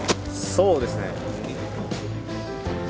そうですね。